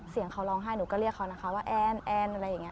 เสียงเขาร้องไห้หนูก็เรียกเขานะคะว่าแอนแอนอะไรอย่างนี้